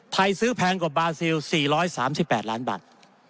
ซื้อแพงกว่าบาซิล๔๓๘ล้านบาท